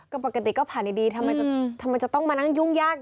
ก็ปกติก็ผ่านดีทำไมจะต้องมานั่งยุ่งยาก